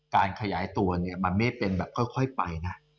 การขยายตัวเนี่ยมันไม่เป็นแบบค่อยไปนะ